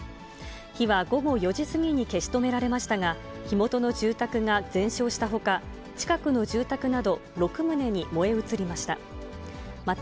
火は午後４時過ぎに消し止められましたが、火元の住宅が全焼したほか、近くの住宅など６棟に燃え移りました。